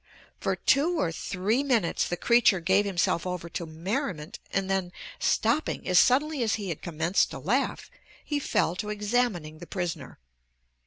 For two or three minutes the creature gave himself over to merriment and then, stopping as suddenly as he had commenced to laugh, he fell to examining the prisoner.